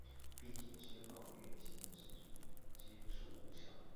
并且宣告越线之举皆属无效。